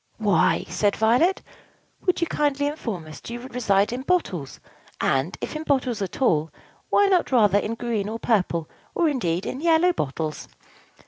"Why," said Violet, "would you kindly inform us, do you reside in bottles; and, if in bottles at all, why not, rather, in green or purple, or, indeed, in yellow bottles?"